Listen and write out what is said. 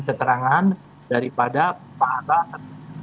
minta keterangan daripada pak ata